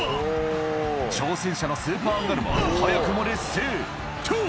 挑戦者のスーパー・アンガルマは早くも劣勢とう！